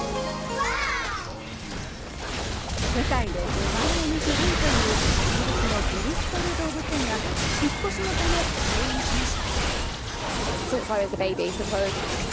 世界で５番目に古いというイギリスのブリストル動物園が引っ越しのため閉園しました。